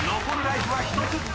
残るライフは１つ］